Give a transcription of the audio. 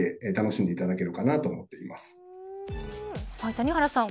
谷原さん